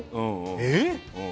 えっ？